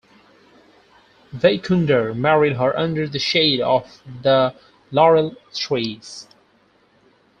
Vaikundar married her under the shade of the laurel trees.